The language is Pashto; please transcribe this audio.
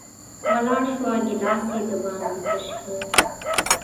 ولاړه شوه، ګېلاس یې د باندې تش کړ